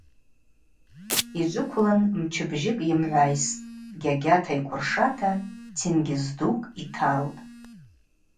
Йджвыквлын мчыбжьыкӏ йымгӏвайстӏ, гьагьата йкӏвыршата тенгьыз дукӏ йталтӏ.